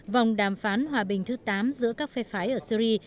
vòng đàm phán hòa bình thứ tám giữa các phe phái ở syri